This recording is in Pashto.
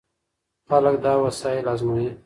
خلک دا وسایل ازمويي.